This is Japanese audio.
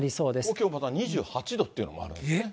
東京また２８度っていうのもあるんですね。